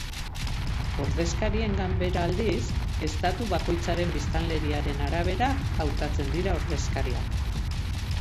Ordezkarien Ganbera aldiz, estatu bakoitzaren biztanleriaren arabera hautatzen dira ordezkariak.